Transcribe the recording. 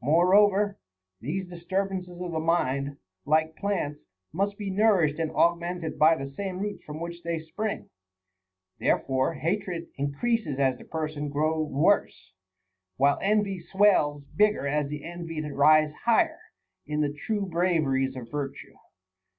6. Moreover, these disturbances of the mind, like plants, must be nourished and augmented by the same roots from which they spring ; therefore hatred increases as the per sons hated grow worse, while envy swells bigger as the envied rise higher in the true braveries of virtue.